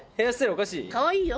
おかしい？かわいいよ。